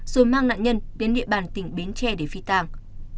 rồi mang nạn nhân đến địa bàn tỉnh bến tre để phi tàng